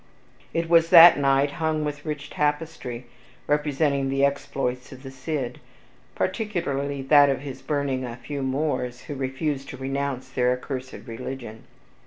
It was that night hung with rich tapestry, representing the exploits of the Cid, particularly that of his burning a few Moors who refused to renounce their accursed religion.